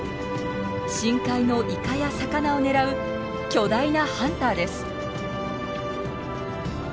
深海のイカや魚を狙う巨大なハンターです。